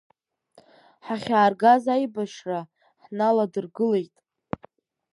Ҳахьааргаз аибашьра ҳналадыргылеит.